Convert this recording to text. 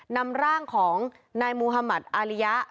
นำร่างของนายมุธมัติอาริยะ